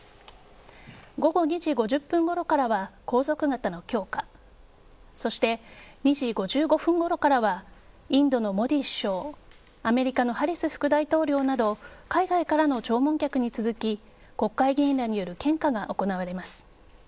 午後２時５０分ごろからは皇族方の供花２時５５分ごろからはインドのモディ首相アメリカのハリス副大統領など海外からの弔問客に続き国会議員らによる献花が行われます。